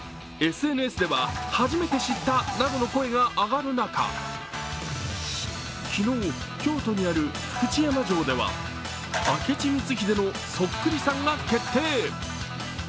ＳＮＳでは初めて知ったなどの声が上がる中、昨日、京都にある福知山城では明智光秀のそっくりさんが決定。